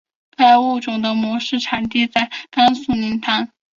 该物种的模式产地在甘肃临潭。